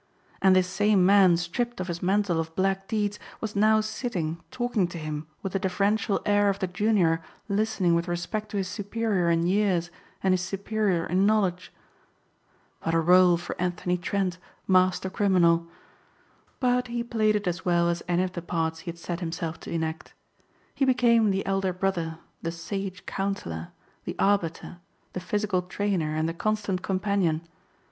And this same man stripped of his mantle of black deeds was now sitting talking to him with the deferential air of the junior listening with respect to his superior in years and his superior in knowledge. What a rôle for Anthony Trent, master criminal! But he played it as well as any of the parts he had set himself to enact. He became the elder brother, the sage counsellor, the arbiter, the physical trainer and the constant companion.